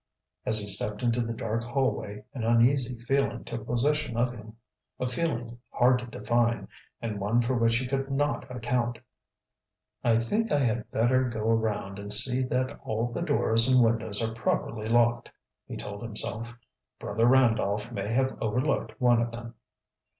As he stepped into the dark hallway an uneasy feeling took possession of him a feeling hard to define, and one for which he could not account. "I think I had better go around and see that all the doors and windows are properly locked," he told himself. "Brother Randolph may have overlooked one of them."